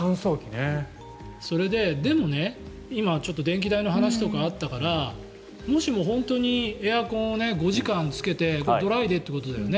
でもね、今ちょっと電気代の話があったからもしも本当にエアコンを５時間つけてドライでということだよね。